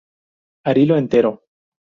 Arilo entero.